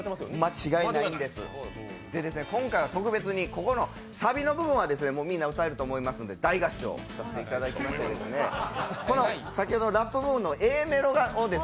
間違いないんです、今回は特別にここのサビの部分はみんな歌えると思いますので、大合唱させていただきましてこの、先ほどのラップ部分、Ａメロのところで